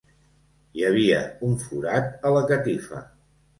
Hi havia un forat a la catifa.